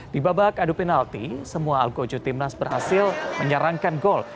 di babak adu penalti semua algojo timnas berhasil menyerangkan gol